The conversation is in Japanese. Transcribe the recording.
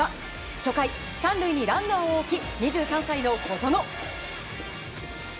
初回、３塁にランナーを置き２３歳の小園。